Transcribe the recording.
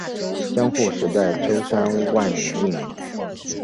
江户时代舟山万年命名。